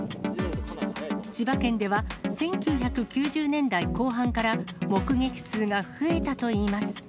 千葉県では、１９９０年代後半から、目撃数が増えたといいます。